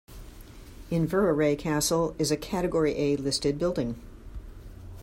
Inveraray Castle is a Category A listed building.